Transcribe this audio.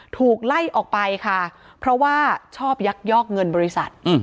ถูกไล่ออกไปค่ะเพราะว่าชอบยักยอกเงินบริษัท